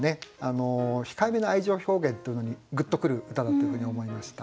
控えめな愛情表現というのにぐっと来る歌だというふうに思いました。